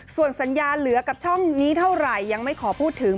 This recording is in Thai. ส่วนสัญญาเหลือกับช่องนี้เท่าไหร่ยังไม่ขอพูดถึง